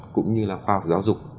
cũng như là khoa học giáo dục